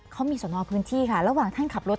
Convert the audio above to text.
เขามีสนพื้นที่ค่ะระหว่างท่านขับรถ